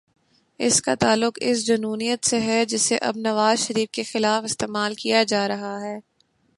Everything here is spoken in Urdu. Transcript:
اس کا تعلق اس جنونیت سے ہے، جسے اب نواز شریف کے خلاف استعمال کیا جا رہا ہے۔